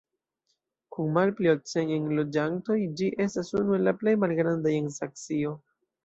Kun malpli ol cent enloĝantoj ĝi estas unu el la plej malgrandaj en Saksio.